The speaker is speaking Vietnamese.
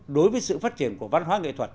đối với sự phát triển của văn hóa nghệ thuật